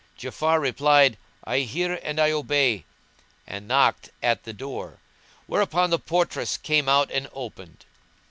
Ja'afar replied, "I hear and I obey;"[FN#173] and knocked at the door, whereupon the portress came out and opened.